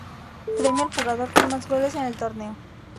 Premio al jugador con más goles en el torneo.